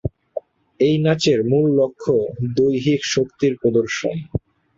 এই নাচের মূল লক্ষ্য দৈহিক শক্তির প্রদর্শন।